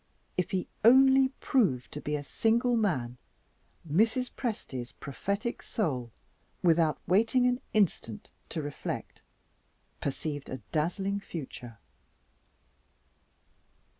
If he only proved to be a single man, Mrs. Presty's prophetic soul, without waiting an instant to reflect, perceived a dazzling future.